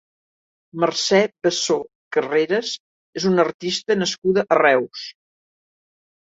Mercè Bessó Carreras és una artista nascuda a Reus.